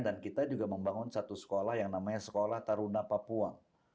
dan kita juga membangun satu sekolah yang namanya sekolah taruna papua